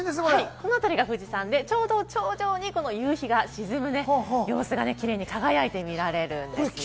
この辺りが富士山でちょうど頂上に夕日が沈む様子がキレイに輝いて見られるんです。